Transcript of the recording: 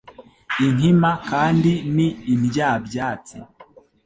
inkima kandi ni indyabyatsi.